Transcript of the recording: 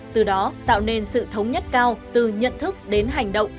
từ đó tạo nên sự thống nhất cao từ nhận thức đến hành động